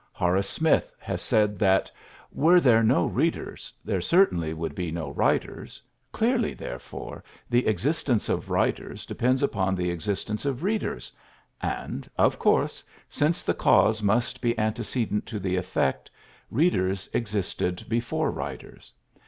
Horace Smith has said that "were there no readers there certainly would be no writers; clearly, therefore, the existence of writers depends upon the existence of readers: and, of course, since the cause must be antecedent to the effect, readers existed before writers.